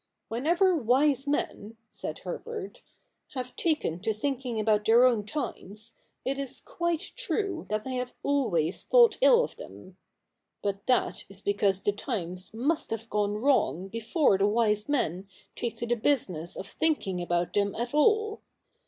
* Whenever wise men,' said Herbert, ' have taken to thinking about their own times, it is quite true that they have always thought ill of them. But that is because the times must have gone wrong before the wise men take to the business of thinking about them at all.